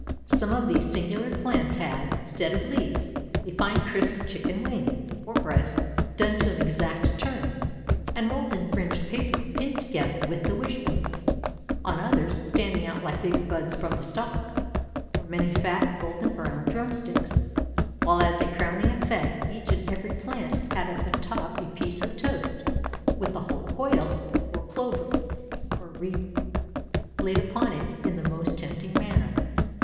Some of these singular plants had, instead of leaves, a fine crisp chicken wing, or breast, done to an exact turn and rolled in fringed paper pinned together with the wish bones ; on others, standing out like big buds from the stalk, Avere many fat golden broAvn drum sticks, Avhile as a crowning effect each and every plant had at the top a piece of toast Avith a Avhole quail, or plover, or reed bird, laid upon it in the most tempting manner.